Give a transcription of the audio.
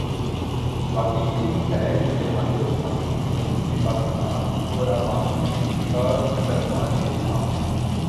واقعہ یہ ہے کہ جماعت اسلامی مشرقی پاکستان اور عوامی لیگ کا مقدمہ ایک تھا۔